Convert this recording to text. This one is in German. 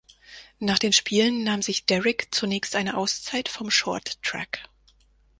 Nach den Spielen nahm sich Derrick zunächst eine Auszeit vom Shorttrack.